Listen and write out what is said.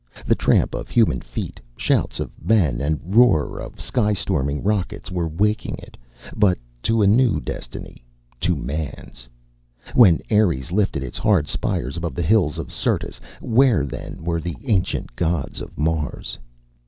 The tramp of human feet, shouts of men and roar of sky storming rockets, were waking it, but to a new destiny, to man's. When Ares lifted its hard spires above the hills of Syrtis, where then were the ancient gods of Mars?